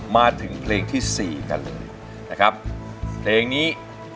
มาถึงเพลงที่สี่กันนะครับแบบนี้